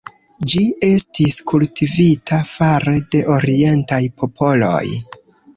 Ĝi estis kultivita fare de orientaj popoloj.